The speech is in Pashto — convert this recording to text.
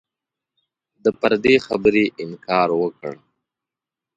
ده پر دې خبرې ټینګار وکړ.